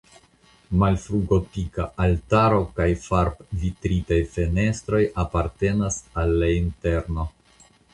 Malfrugotika altaro kaj farbvitritaj fenestroj apartenas al la interno.